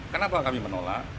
kenapa kami menolak